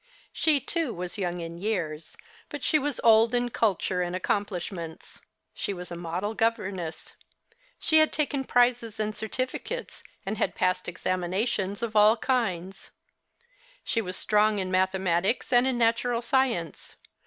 She, too, was young in years ; but she was old in culture and accomplishments. She was a model governess. She had taken prizes and certificates, 02 The Christmas Hirelings. and bad passed examinations of all kinds. She was strong in mathematics and in natural science.